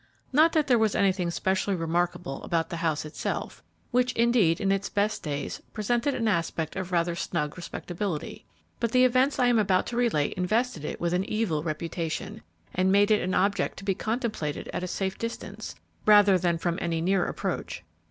Not that there was anything specially remarkable about the house itself, which indeed, in its best days, presented an aspect of rather snug respectability. But the events I am about to relate invested it with an evil reputation, and made it an object to be contemplated at a safe distance, rather than from any near approach.